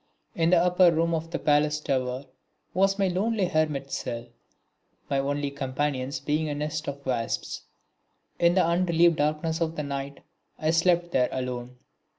In the upper room of the palace tower was my lonely hermit cell, my only companions being a nest of wasps. In the unrelieved darkness of the night I slept there alone.